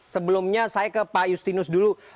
sebelumnya saya ke pak justinus dulu